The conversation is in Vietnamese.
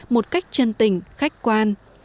một cách chân tình khách quan